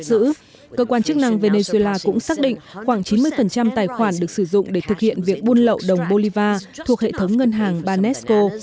cơ quan chức năng venezuela cũng xác định khoảng chín mươi tài khoản được sử dụng để thực hiện việc buôn lậu đồng bolivar thuộc hệ thống ngân hàng baesco